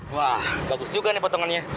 wah bagus juga nih potongannya